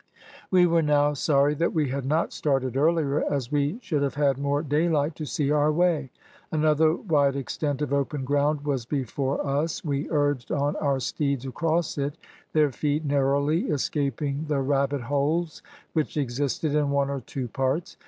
"We were now sorry that we had not started earlier, as we should have had more daylight to see our way. Another wide extent of open ground was before us; we urged on our steeds across it, their feet narrowly escaping the rabbit holes, which existed in one or two parts.